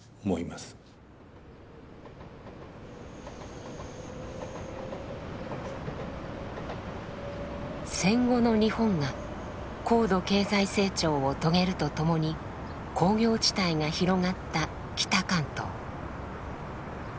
これが一つの戦後の日本が高度経済成長を遂げるとともに工業地帯が広がった北関東。